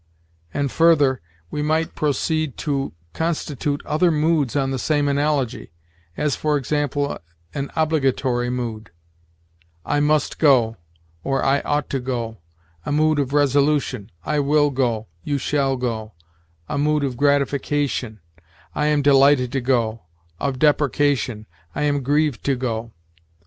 And further, we might proceed to constitute other moods on the same analogy, as, for example, an obligatory mood 'I must go,' or 'I ought to go'; a mood of resolution 'I will go, you shall go'; a mood of gratification 'I am delighted to go'; of deprecation 'I am grieved to go.'